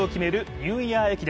ニューイヤー駅伝。